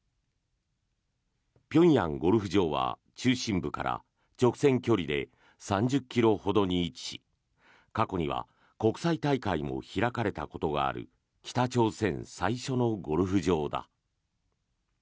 平壌ゴルフ場は中心部から直線距離で３０ｋｍほどに位置し過去には国際大会も開かれたことがある北朝鮮最初のゴルフ場だ。